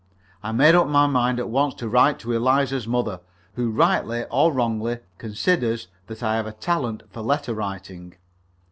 I made up my mind at once to write to Eliza's mother who, rightly or wrongly, considers that I have a talent for letter writing.